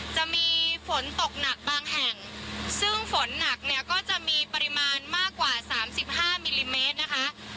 จะมีฝนตกหนักบางแห่งซึ่งฝนหนักเนี่ยก็จะมีปริมาณมากกว่าสามสิบห้ามิลลิเมตรนะคะ